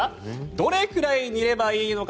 どれくらい煮ればいいのか。